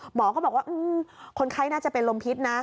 หมอก็บอกว่าคนไข้น่าจะเป็นลมพิษนะ